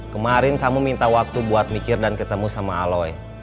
kemarin kamu minta waktu buat mikir dan ketemu sama aloy